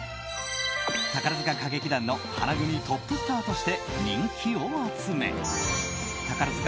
宝塚歌劇団の花組トップスターとして人気を集め宝塚